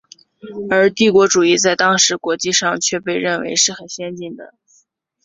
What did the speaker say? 而帝国主义在当时国际上却被认为是很先进的。